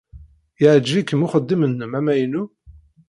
Yeɛjeb-ikem uxeddim-nnem amaynu?